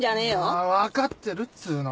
ああわかってるっつうの。